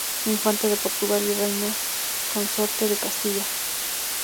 Infanta de Portugal y reina consorte de Castilla.